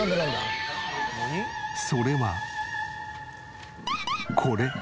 それはこれ。